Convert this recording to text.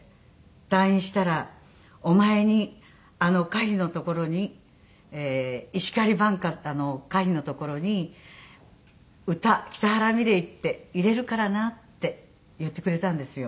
「退院したらお前にあの歌碑の所に『石狩挽歌』ってあの歌碑の所に“歌北原ミレイ”って入れるからな」って言ってくれたんですよ。